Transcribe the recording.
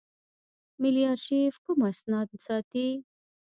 ملي آرشیف کوم اسناد ساتي؟